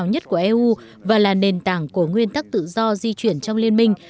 những thành quả đáng tự hào nhất của eu và là nền tảng của nguyên tắc tự do di chuyển trong liên minh